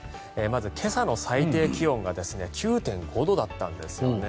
まず今朝の最低気温が９．５度だったんですよね。